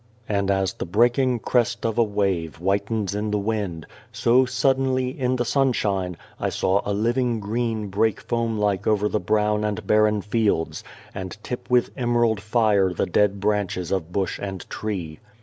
And as the breaking crest of a wave whitens in the wind, so suddenly, in the sunshine, I saw a living green break foam like over the brown and barren fields, and tip with emerald fire the dead branches of bush and tree.